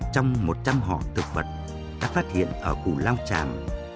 trong một trăm linh họ thực vật đã phát hiện ở củ lao chạm